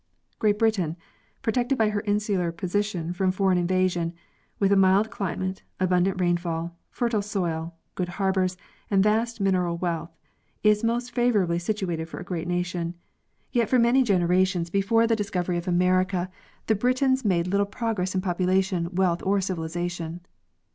Great Britain. Great Britain, protected by her insular position from foreign invasion, with a mild climate, abundant rainfall, fertile soil, good harbors, and vast mineral wealth, is most favorably situated for a great nation; yet for many generations before the discovery 16 G. G. Hubbard— Geographic Progress of Civilization. of America the Britons made little progress in population, wealth or civilization.